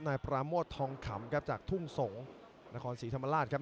นายปราโมททองขำครับจากทุ่งสงศ์นครศรีธรรมราชครับ